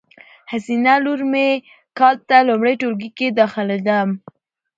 حسینه لور می کال ته لمړی ټولګي کی داخلیدوم